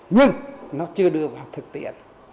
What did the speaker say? nhưng nó chưa đưa vào thực tiện